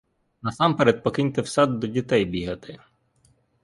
Насамперед покиньте в сад до дітей бігати.